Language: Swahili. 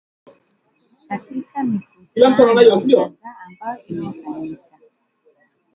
katika mikutano kadhaa ambayo imefanyika